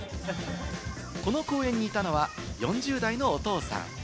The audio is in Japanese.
この公園にいたのは４０代のお父さん。